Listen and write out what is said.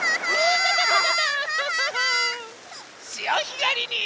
しおひがりに。